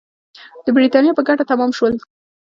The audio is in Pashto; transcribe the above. د برېټانیا په ګټه تمام شول.